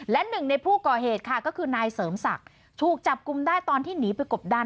และหนึ่งในผู้ก่อเหตุค่ะก็คือนายเสริมศักดิ์ถูกจับกลุ่มได้ตอนที่หนีไปกบดัน